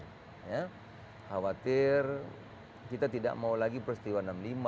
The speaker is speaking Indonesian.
khawatir kita tidak mau lagi peristiwa enam puluh lima